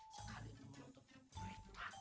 sekali nonton berita